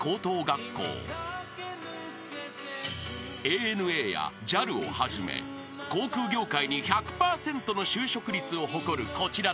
［ＡＮＡやＪＡＬをはじめ航空業界に１００％の就職率を誇るこちらの学校］